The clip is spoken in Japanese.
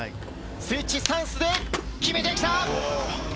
スイッチスタンスで決めてきた！